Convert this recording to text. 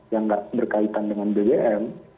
yang tidak berkaitan dengan bbm